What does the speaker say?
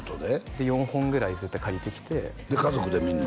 で４本ぐらい絶対借りてきてで家族で見るの？